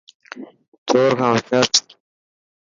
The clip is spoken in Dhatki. چور کان هوشيار ٿي.